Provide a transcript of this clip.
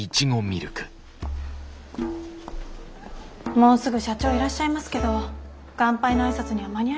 もうすぐ社長いらっしゃいますけど乾杯の挨拶には間に合いますよね？